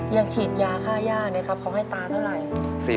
ยังฉีดยาค่าย่านะครับเขาให้ตาเท่าไหร่